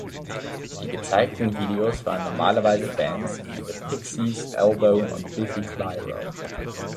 Die gezeigten Videos waren normalerweise Bands wie The Pixies, Elbow und Biffy Clyro.